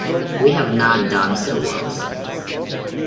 We have not done so well since.